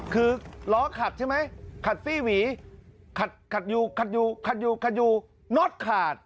คือล้อขัดใช่ไหมขัดสี่หวีขัดอยู่น็อตขาด